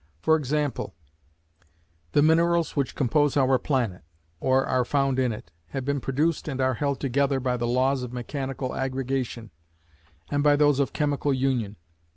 For example; the minerals which compose our planet, or are found in it, have been produced and are held together by the laws of mechanical aggregation and by those of chemical union.